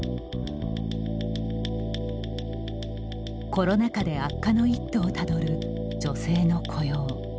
コロナ禍で悪化の一途をたどる女性の雇用。